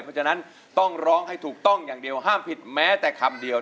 เพราะฉะนั้นต้องร้องให้ถูกต้องอย่างเดียวห้ามผิดแม้แต่คำเดียว